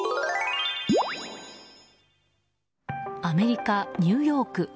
アメリカ・ニューヨーク。